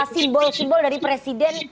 simbol simbol dari presiden